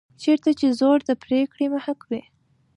چېرته چې زور د پرېکړې محک وي.